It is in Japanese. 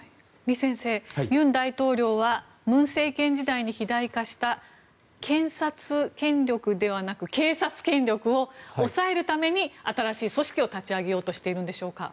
李先生、尹大統領は文政権時代に肥大化した検察権力ではなく、警察権力を抑えるために新しい組織を立ち上げようとしているんでしょうか。